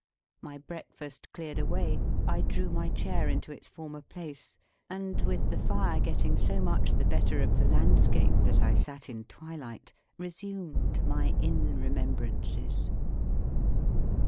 My breakfast cleared away, I drew my chair into its former place, and, with the fire getting so much the better of the landscape that I sat in twilight, resumed my Inn remembrances.